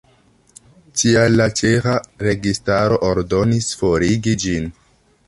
Tial la ĉeĥa registaro ordonis forigi ĝin.